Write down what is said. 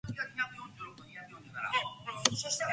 The security gates are tripped, locking everyone inside.